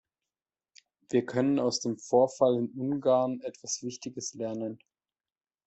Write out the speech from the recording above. Wir können aus dem Vorfall in Ungarn etwas Wichtiges lernen.